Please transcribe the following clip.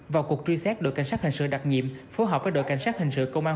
vào cuộc truy xét đội cảnh sát hình sự đặc nhiệm phối hợp với đội cảnh sát hình sự công an